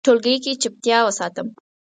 ټولګي کې چوپتیا وساتم.